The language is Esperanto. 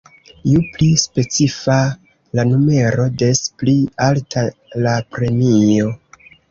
Ju pli specifa la numero, des pli alta la premio.